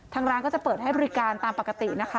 ทางร้านก็จะเปิดให้บริการตามปกตินะคะ